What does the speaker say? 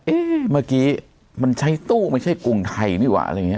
เมื่อกี้มันใช้ตู้ไม่ใช่กรุงไทยนี่ว่ะอะไรอย่างนี้